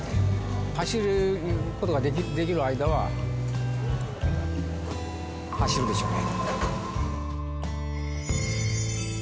走ることができる間は、走るでしょうね。